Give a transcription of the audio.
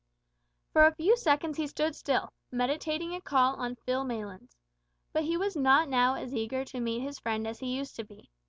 For a few seconds he stood still, meditating a call on Phil Maylands. But he was not now as eager to meet his friend as he used to be.